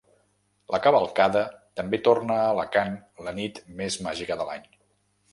La cavalcada també torna a Alacant la nit més màgica de l’any.